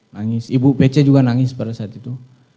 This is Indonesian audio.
nangis ibu pece juga nangis pada saat itu